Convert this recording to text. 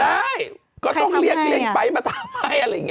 ได้ก็ต้องละเรียงไปมาตามให้อย่างเนี้ย